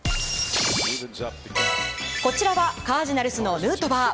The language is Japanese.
こちらはカージナルスのヌートバー。